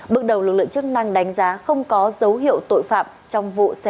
bước đầu lực lượng chức năng đánh giá không có dấu hiệu tội phạm trong vụ xe ô tô nói trên